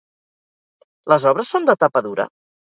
Les obres són de tapa dura?